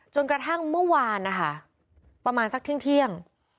จนกระทั่งเมื่อวานนะคะประมาณสักเที่ยง